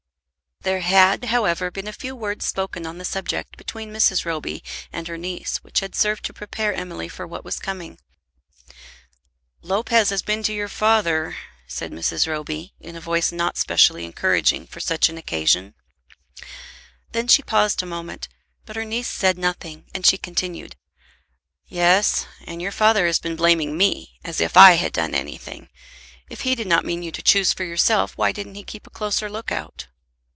There had, however, been a few words spoken on the subject between Mrs. Roby and her niece which had served to prepare Emily for what was coming. "Lopez has been to your father," said Mrs. Roby, in a voice not specially encouraging for such an occasion. Then she paused a moment; but her niece said nothing, and she continued, "Yes, and your father has been blaming me, as if I had done anything! If he did not mean you to choose for yourself, why didn't he keep a closer look out?"